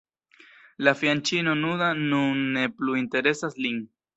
La fianĉino nuda nun ne plu interesas lin.